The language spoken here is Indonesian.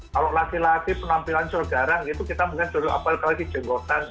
kalau laki laki penampilan curgarang itu kita bukan jodoh apalagi jenggotan